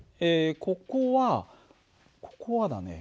ここはここはだね